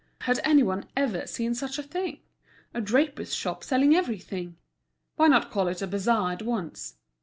Had any one ever seen such a thing? A draper's shop selling everything! Why not call it a bazaar at once?